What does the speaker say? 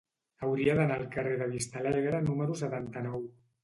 Hauria d'anar al carrer de Vistalegre número setanta-nou.